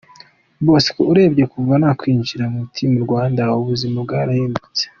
Bosco: Urebye kuva nakwinjira muri Team Rwanda, ubuzima bwarahindutse.